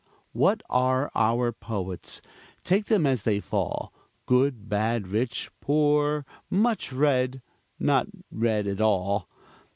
What are our poets, take them as they fall, Good, bad, rich, poor, much read, not read at all?